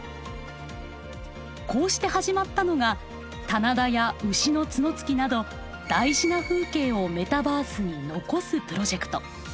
こうして始まったのが棚田や牛の角突きなど大事な風景をメタバースに残すプロジェクト。